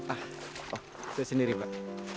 ah saya sendiri pak